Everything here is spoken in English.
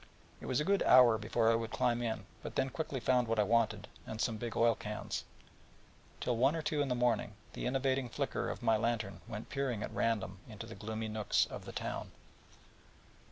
It was a good hour before I would climb in; but then quickly found what I wanted, and some big oil cans; and till one or two in the morning, the innovating flicker of my lantern went peering at random into the gloomy nooks of the town.